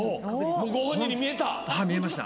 ご本人に見えた？